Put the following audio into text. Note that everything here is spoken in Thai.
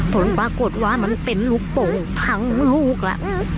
ผลปรากฏว่ามันเป็นลูกโป่งพังลูกละ